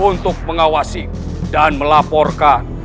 untuk mengawasi dan melaporkan